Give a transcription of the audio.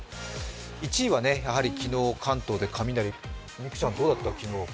１位は昨日、関東で雷美空ちゃんどうだった？